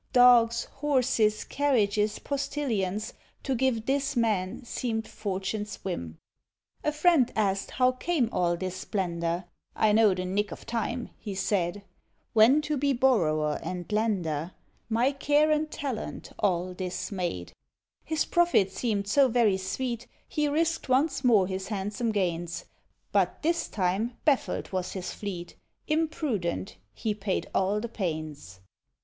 Dogs, horses, carriages, postillions, To give this man seemed Fortune's whim. A Friend asked how came all this splendour: "I know the 'nick of time,'" he said, "When to be borrower and lender: My care and talent all this made." His profit seemed so very sweet, He risked once more his handsome gains; But, this time, baffled was his fleet: Imprudent, he paid all the pains.